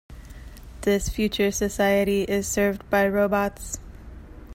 This future society is served by robots.